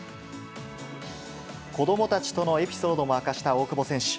子どもたちとのエピソードも明かした大久保選手。